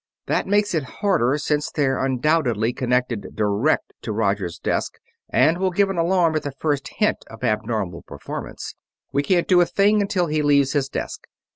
That makes it harder, since they're undoubtedly connected direct to Roger's desk and will give an alarm at the first hint of abnormal performance. We can't do a thing until he leaves his desk.